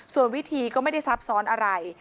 ส่วนวิธีก็ไม่ได้ซับซ้อนอะไร